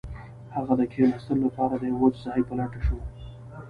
هغه د کښیناستلو لپاره د یو وچ ځای په لټه شو